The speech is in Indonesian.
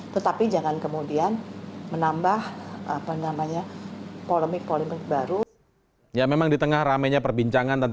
tetapi jangan kemudian menambah